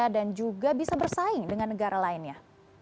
dan juga bisa bersaing dengan negara lainnya